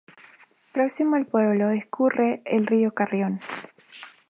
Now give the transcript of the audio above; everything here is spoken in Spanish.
Próximo al pueblo discurre el río Carrión.